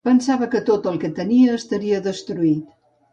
Pensava que tot el que tenia estaria destruït.